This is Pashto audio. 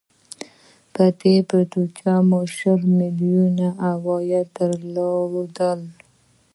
په دې بودجه مو شل میلیونه عایدات درلودل.